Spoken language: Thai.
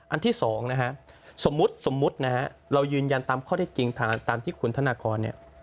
อันที่๒นะครับสมมุตินะฮะเรายืนยันตามข้อได้จริงตามที่คุณธนกรเนี่ย